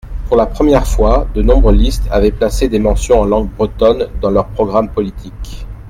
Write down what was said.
Pour la première fois, de nombreuses listes avaient placé des mentions en langue bretonne dans leurs programmes politiques.